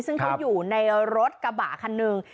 ซึ่งเขาอยู่ในรถกระบะคันหนึ่ง